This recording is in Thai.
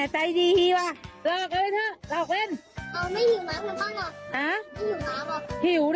๓จริงเอาเปล่าเอาขวดเดียวพอ